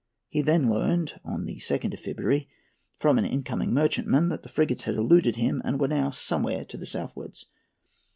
He there learned, on the 2nd of February, from an in coming merchantman, that the frigates had eluded him and were now somewhere to the southwards.